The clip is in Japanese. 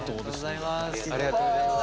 ありがとうございます。